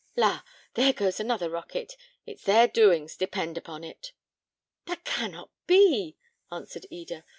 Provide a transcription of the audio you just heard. La! there goes another rocket: it's their doings, depend upon it." "That cannot be," answered Eda.